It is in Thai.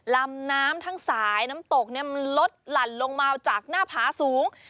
ลำน้ำทั้งสายน้ำตกมันลดหลั่นลงมาจากหน้าผาสูง